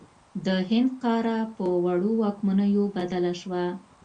د هند قاره په وړو واکمنیو بدله شوه.